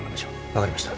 分かりました。